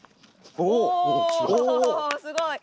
おおすごい！